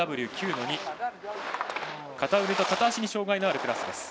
片腕と片足に障がいのあるクラス。